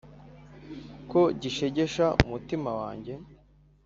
ko gishegesha umutima wanjye